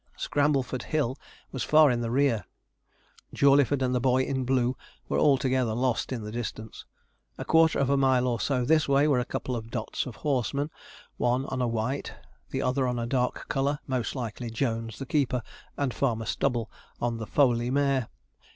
Scrambleford Hill was far in the rear. Jawleyford and the boy in blue were altogether lost in the distance. A quarter of a mile or so this way were a couple of dots of horsemen, one on a white, the other on a dark colour most likely Jones, the keeper, and Farmer Stubble, on the foaly mare.